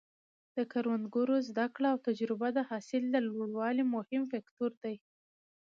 د کروندګرو زده کړه او تجربه د حاصل د لوړوالي مهم فکتور دی.